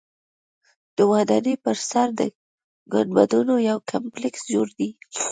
د ودانۍ پر سر د ګنبدونو یو کمپلیکس جوړ دی.